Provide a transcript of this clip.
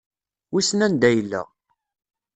Wissen anda yella.